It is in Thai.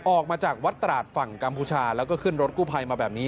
ออกมาจากวัดตราดฝั่งกัมพูชาแล้วก็ขึ้นรถกู้ภัยมาแบบนี้